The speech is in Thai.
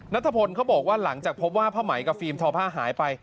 นัทพลเขาบอกว่าหลังจากพบว่าผ้าไหมกับฟิล์มทอผ้าหายไป